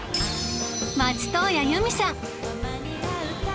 松任谷由実さん